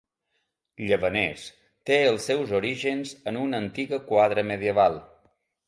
Llavaners té els seus orígens en una antiga quadra medieval.